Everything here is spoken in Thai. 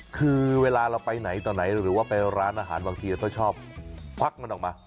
คือเวลาเราไปไหนต่อไหนหรือว่าไปร้านอาหารบางทีเราก็ชอบควักมันออกมา